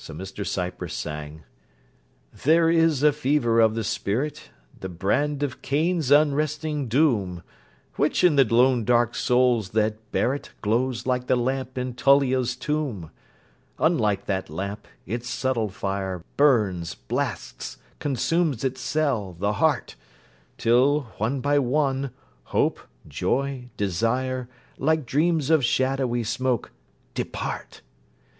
MR CYPRESS sung There is a fever of the spirit, The brand of Cain's unresting doom, Which in the lone dark souls that bear it Glows like the lamp in Tullia's tomb: Unlike that lamp, its subtle fire Burns, blasts, consumes its cell, the heart, Till, one by one, hope, joy, desire, Like dreams of shadowy smoke depart.